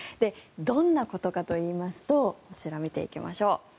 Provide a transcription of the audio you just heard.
どんなことかといいますとこちらを見ていきましょう。